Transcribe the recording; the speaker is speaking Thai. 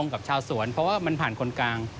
กับชาวสวนเพราะว่ามันผ่านคนกลาง